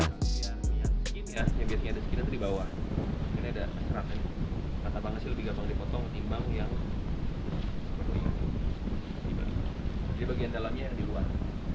ini bau yang di bagian dalamnya yang di luar